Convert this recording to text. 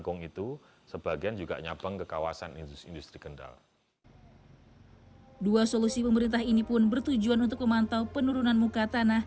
kemudian bersumpo untuk membangun